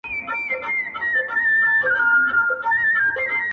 هغه له میني جوړي پرندې به واپس راسي,,